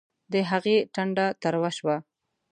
د هغې ټنډه تروه شوه